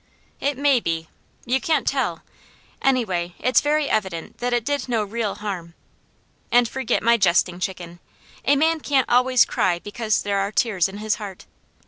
It may be, you can't tell! Anyway, it's very evident that it did no real harm. And forget my jesting, Chicken. A man can't always cry because there are tears in his heart.